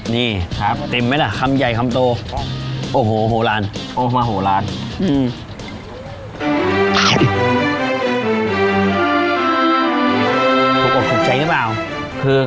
นี่ครับเต็มไหมล่ะคำใหญ่คำโตโอ้โหโหลาน